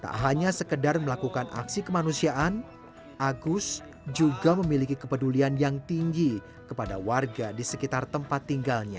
tak hanya sekedar melakukan aksi kemanusiaan agus juga memiliki kepedulian yang tinggi kepada warga di sekitar tempat tinggalnya